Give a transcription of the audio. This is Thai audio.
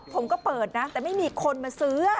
ผมก็เปิดนะแต่ไม่มีคนมาซื้อ